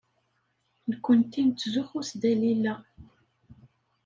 Nekkenti nettzuxxu s Dalila.